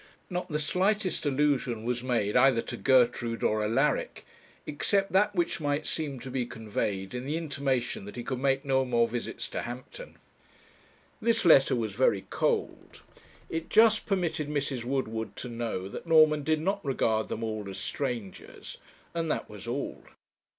Not the slightest allusion was made either to Gertrude or Alaric, except that which might seem to be conveyed in the intimation that he could make no more visits to Hampton. This letter was very cold. It just permitted Mrs. Woodward to know that Norman did not regard them all as strangers; and that was all.